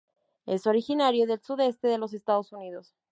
Es originario del sudeste de los Estados Unidos.